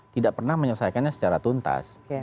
tidak pernah menyelesaikannya secara tuntas